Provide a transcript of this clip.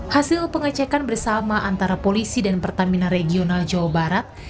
hasil pengecekan bersama antara polisi dan pertamina regional jawa barat